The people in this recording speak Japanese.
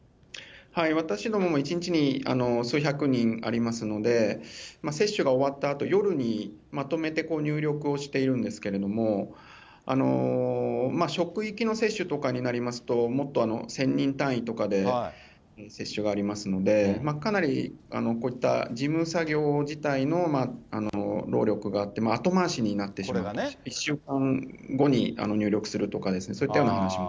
私どもも１日に数百人ありますので、接種が終わったあと、夜にまとめて入力をしているんですけども、職域の接種とかになりますと、もっと１０００人単位とかで接種がありますので、かなりこういった事務作業自体の労力があって、後回しになってしまって、１週間後に入力するとかですね、そういったような話も。